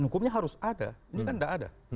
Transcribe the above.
hukumnya harus ada ini kan tidak ada